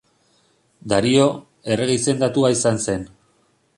Dario, errege izendatua izan zen.